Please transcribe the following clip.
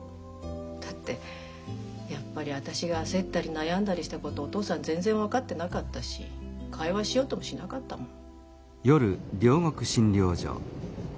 だってやっぱり私が焦ったり悩んだりしたことお父さん全然分かってなかったし会話しようともしなかったもん。